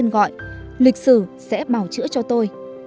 lãnh tụ nổi tiếng với tên gọi lịch sử sẽ bảo chữa cho tôi